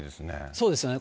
そうですよね。